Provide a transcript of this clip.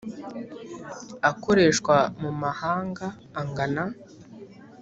Akoreshwa mu mahanga angana